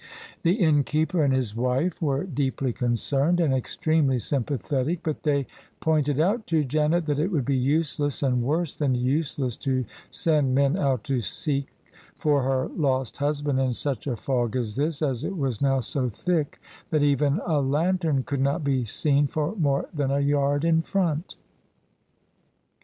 The innkeeper and his wife were deeply concerned and extremely sympathetic; but they pointed out to Janet that it would be useless, and worse than useless, to send men out to seek for her lost husband in such a fog as this, as it was now so thick that even a lan tern could not be seen for more than a yard in front.